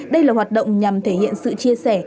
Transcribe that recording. đây là hoạt động nhằm thể hiện sự chia sẻ